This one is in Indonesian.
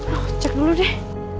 aduh cek dulu deh